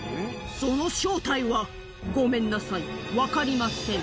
その正体は、ごめんなさい、分かりません。